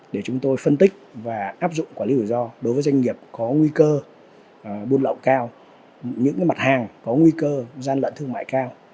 để chúng tôi phân tích và áp dụng quản lý rủi ro đối với doanh nghiệp có nguy cơ buôn lậu cao những mặt hàng có nguy cơ gian lận thương mại cao